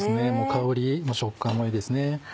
香り食感もいいですね。